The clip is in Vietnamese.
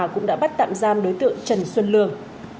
cũng đã bắt tạm giam đối tượng trần xuân lương